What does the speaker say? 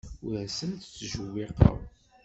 Ur asent-ttjewwiqeɣ.